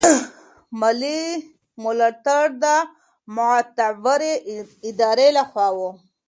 مالي ملاتړ د معتبرې ادارې له خوا و.